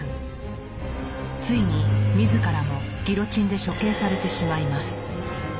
ついに自らもギロチンで処刑されてしまいます。